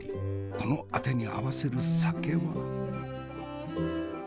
このあてに合わせる酒は。